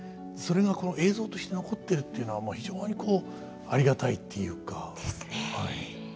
それがこの映像として残ってるっていうのは非常にこうありがたいっていうか。ですね。